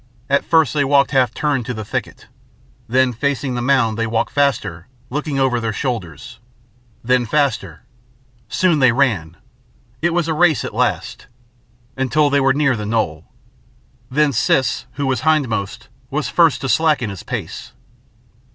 At first they walked half turned to the thicket, then facing the mound they walked faster looking over their shoulders, then faster; soon they ran, it was a race at last, until they were near the knoll. Then Siss who was hindmost was first to slacken his pace.